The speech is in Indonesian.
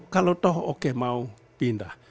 kalau toh oke mau pindah